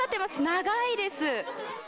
長いです。